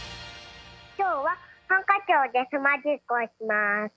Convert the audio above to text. きょうはハンカチをけすマジックをします。